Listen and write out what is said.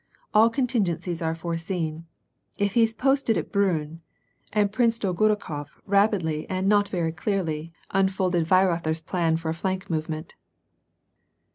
" All contingencies are foreseen. If he is posted at Brllnn." — And Prince Dolgorukof rapidly and not very clearly unfolded Weirother's plan for a flank movement.